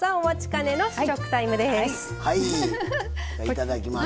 いただきます。